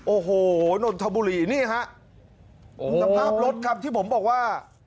โอ้โหนนทบุรีนี่ฮะสภาพรถครับที่ผมบอกว่า